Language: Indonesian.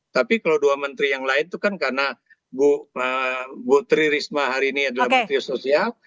tapi kalau dua menteri yang lain itu kan karena bu tri risma hari ini adalah menteri sosial